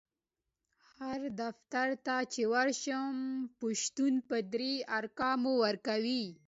هر دفتر چی ورشي پشتون په دري احکام ورکوي